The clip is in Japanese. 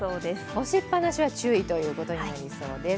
干しっぱなしは注意ということになりそうです。